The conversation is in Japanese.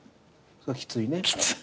それはきついね。